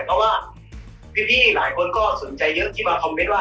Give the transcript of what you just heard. เพราะว่าพี่หลายคนก็สนใจเยอะที่มาคอมเมนต์ว่า